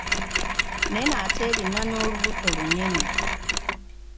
Nnene ate erina n'olubuto olunene.